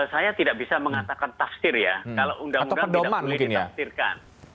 saya tidak bisa mengatakan tafsir ya kalau undang undang tidak boleh ditafsirkan